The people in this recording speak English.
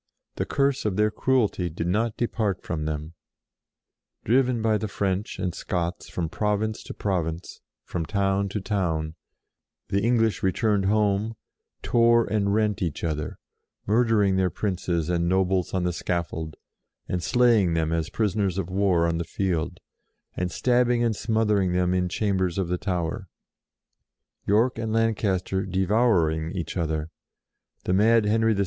The curse of their cruelty did not depart from them. Driven by the French and Scots from province to province, and from town to town, the English returned home, tore and rent each other ; murdering their princes and nobles on the scaffold, and slaying them as prisoners of war on the field; and stab bing and smothering them in chambers of the Tower; York and Lancaster devour HER END 113 ing each other; the mad Henry VI.